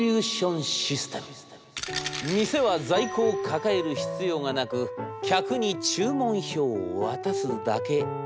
「店は在庫を抱える必要がなく客に注文票を渡すだけ。